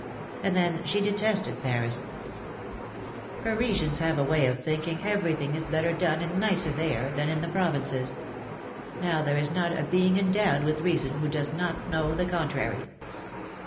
And then, she detested Paris; Parisians have a way of thinking everything is better done and nicer there, than in th provinces; now, there is not a being endowed with reason wdio does not know the contrary!